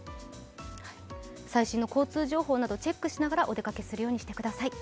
最新の交通情報などチェックしながらお出かけするようにしてください。